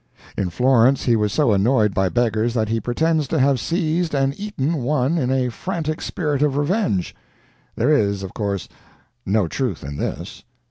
In Florence he was so annoyed by beggars that he pretends to have seized and eaten one in a frantic spirit of revenge. There is, of course, no truth in this.